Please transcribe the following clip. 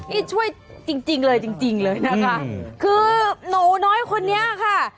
นี่ช่วยจริงจริงเลยจริงจริงเลยนะคะคือหนูน้อยคนนี้ค่ะ